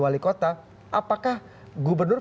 wali kota apakah gubernur